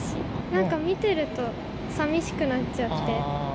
なんか見てるとさみしくなっちゃって。